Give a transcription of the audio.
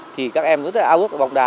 thì các em rất là ao ước bóng đá